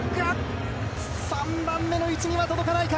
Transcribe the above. ３番目の位置には届かないか？